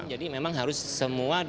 jadi memang harus semua